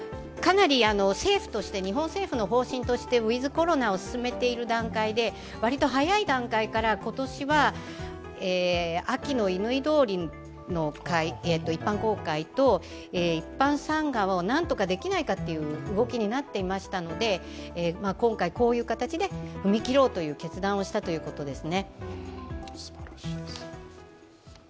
日本政府の方針としてウィズ・コロナを進めている段階で割と早い段階から今年は秋の乾通りの一般公開と一般参賀を何とかできないかという動きになっていましたので、今回こういう形で踏み切ろうという決断をしたということです。